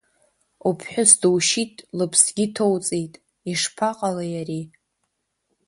Уԥҳәыс душьит, лыԥсгьы ҭоуҵеит, ишԥаҟалеи, ари?